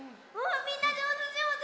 みんなじょうずじょうず。